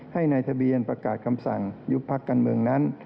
ให้นายทะเบียนประกาศคำสั่งยุบพักการเมืองนั้น